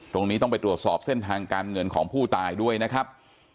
ตรงนี้ต้องไปตรวจสอบเส้นทางการเงินของผู้ตายด้วยนะครับ